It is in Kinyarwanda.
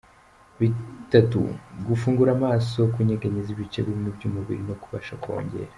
bitatu: Gufungura amaso, Kunyeganyeza ibice bimwe by’umubiri no kubasha kongera